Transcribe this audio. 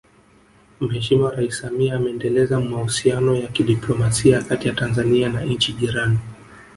Mheshimiwa Rais Samia ameendeleza mahusiano ya kidiplomasia kati ya Tanzania na nchi jirani